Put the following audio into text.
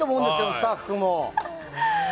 スタッフも。